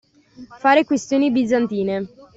Fare questioni bizantine.